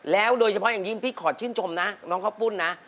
แล้วโดยเฉพาะอย่างยิ่งพี่ขอชื่นชมนะน้องข้าวปุ้นนะ